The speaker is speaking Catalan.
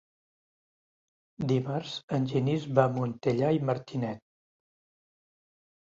Dimarts en Genís va a Montellà i Martinet.